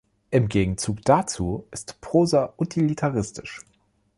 Im Gegenzug dazu ist Prosa utilitaristisch.